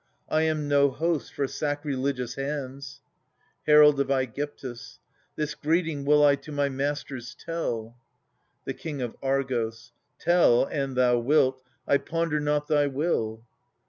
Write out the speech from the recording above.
I am no host for sacrilegious hands. Herald of ^gyptus. This greeting will I to my masters tell. The King of Argos. Tell, an thou wilt — I ponder not thy will.